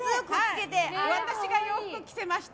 私が洋服着せました。